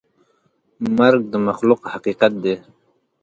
مرګ د مخلوق حقیقت دی.